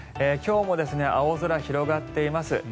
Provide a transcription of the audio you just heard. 今日も青空広がっています。